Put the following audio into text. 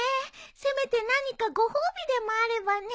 せめて何かご褒美でもあればね。